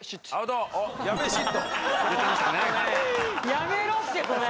やめろってそれ！